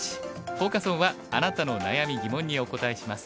フォーカス・オンは「あなたの悩み疑問にお答えします！